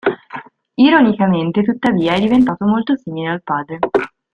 Ironicamente tuttavia è diventato molto simile al padre.